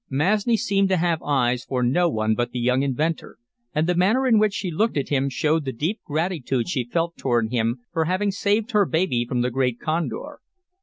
Masni seemed to have eyes for no one but the young inventor, and the manner in which she looked at him showed the deep gratitude she felt toward him for having saved her baby from the great condor.